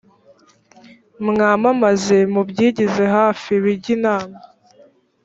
mwamamaze mubyigize hafi bijye inama